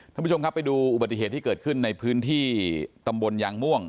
ท่านผู้ชมครับไปดูอุบัติเหตุที่เกิดขึ้นในพื้นที่ตำบลยางม่วง